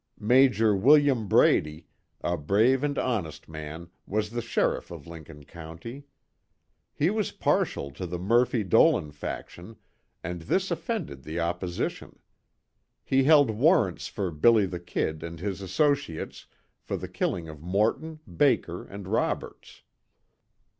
Major William Brady, a brave and honest man, was the sheriff of Lincoln County. He was partial to the Murphy Dolan faction, and this offended the opposition. He held warrants for "Billy the Kid" and his associates, for the killing of Morton, Baker, and Roberts.